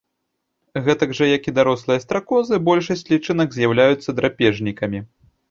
Гэтак жа, як і дарослыя стракозы, большасць лічынак з'яўляюцца драпежнікамі.